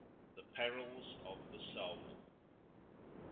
The Perils of the Soul 1.